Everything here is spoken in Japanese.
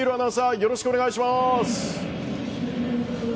よろしくお願いします。